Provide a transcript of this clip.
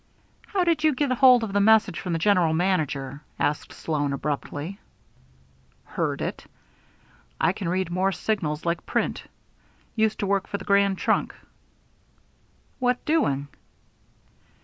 "How did you get hold of the message from the general manager?" asked Sloan abruptly. "Heard it. I can read Morse signals like print. Used to work for the Grand Trunk." "What doing?"